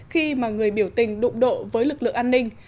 khi mà người biểu tình đụng độ với lực lượng an ninh